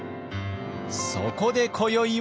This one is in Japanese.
そこで今宵は。